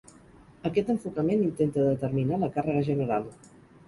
Aquest enfocament intenta determinar la càrrega general.